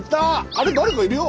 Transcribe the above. あれ誰かいるよ。